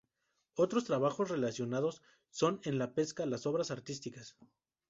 Otros trabajos relacionados son en la pesca, las obras artísticas...